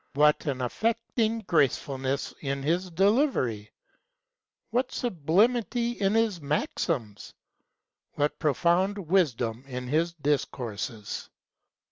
What an affecting gracefulness in his delivery ' What sublimity in his maxims ! what profound v/is dom in his discourses!